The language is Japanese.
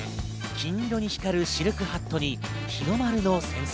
金色に光るシルクハットに日の丸のセンス。